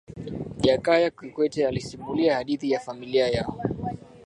jakaya kikwete alisimulia hadithi ya familia yao